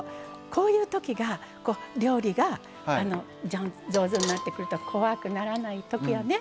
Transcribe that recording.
こういうときが料理が上手になってくると怖くならないときやね。